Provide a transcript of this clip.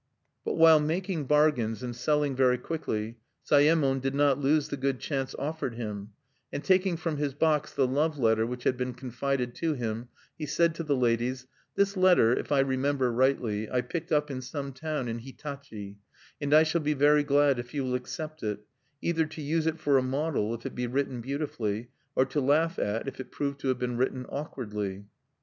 But while making bargains and selling very quickly, Sayemon did not lose the good chance offered him; and taking from his box the love letter which had been confided to him, he said to the ladies: "This letter, if I remember rightly, I picked up in some town in Hitachi, and I shall be very glad if you will accept it, either to use it for a model if it be written beautifully, or to laugh at if it prove to have been written awkwardly."